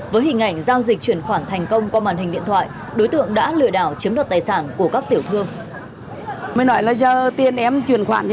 với hình ảnh giao dịch chuyển khoản thành công qua màn hình điện thoại đối tượng đã lừa đảo chiếm đoạt tài sản của các tiểu thương